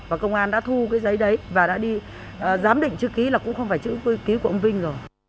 và công an đã thu cái giấy đấy và đã đi giám định chữ ký là cũng không phải chữ tôi ký của ông vinh rồi